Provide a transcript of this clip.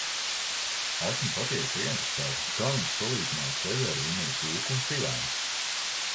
Esmu patiesi ieinteresēta kā viņš salīdzinās sevi ar Vinniju Pūku un Sivēnu.